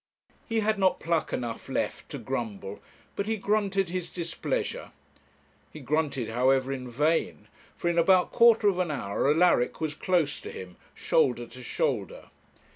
He had not pluck enough left to grumble: but he grunted his displeasure. He grunted, however, in vain; for in about a quarter of an hour Alaric was close to him, shoulder to shoulder.